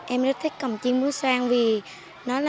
em rất thích cồng chiêng mối soan vì nó là một bản sắc văn hóa của nhà